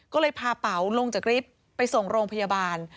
ก็เลยพาเป๋าลงจากลิฟต์ไปส่งโรงพยาบาล